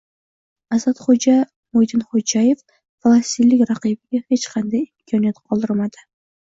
Asadxo‘ja Mo‘ydinxo‘jayev falastinlik raqibiga hech qanday imkoniyat qoldirmading